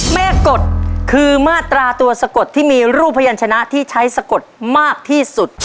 แม่กดคือมาตราตัวสะกดที่มีรูปพยานชนะที่ใช้สะกดมากที่สุด